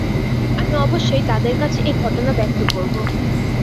আমি অবশ্যই তাদের কাছে এ ঘটনা ব্যক্ত করব।